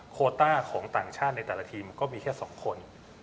โคต้าของต่างชาติในแต่ละทีมก็มีแค่๒คน